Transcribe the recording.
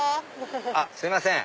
あっすいません。